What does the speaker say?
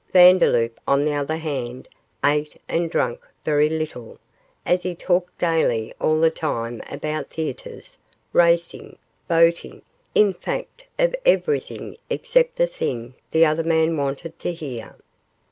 Vandeloup, on the other hand, ate and drank very little, as he talked gaily all the time about theatres, racing, boating, in fact of everything except the thing the other man wanted to hear.